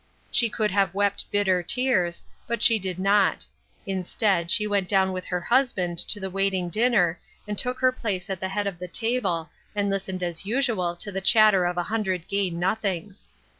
She could have wept bitter tears, but she did not ; instead, she went down with her husband to the waiting dinner, and took her place at the head of the table, and listened as usual to the chatter of a hundred gay nothings.